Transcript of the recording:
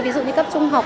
ví dụ như cấp trung học